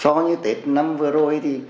so với tết năm vừa rồi thì